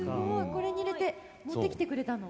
これに入れて持ってきてくれたの？